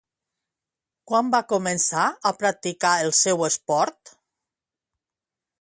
Quan va començar a practicar el seu esport?